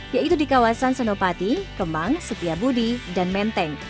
yaitu di kawasan senopati kemang setiabudi dan menteng